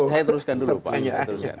saya teruskan dulu pak